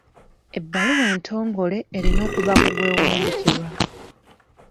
Ebbaluwa entongole erina okubaako gw'ewandiikirwa.